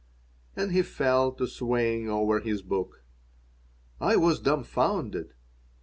And he fell to swaying over his book I was dumfounded.